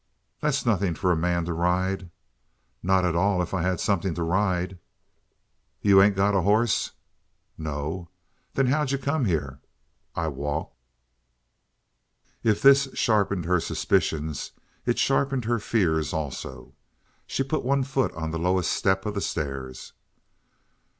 "That's nothing for a man to ride." "Not at all, if I had something to ride." "You ain't got a horse?" "No." "Then how do you come here?" "I walked." If this sharpened her suspicions, it sharpened her fear also. She put one foot on the lowest step of the stairs.